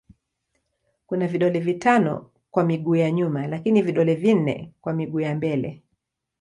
Kuna vidole vitano kwa miguu ya nyuma lakini vidole vinne kwa miguu ya mbele.